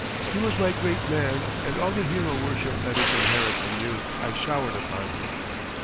He was my great man and all the hero worship that is inherent in youth I showered upon him.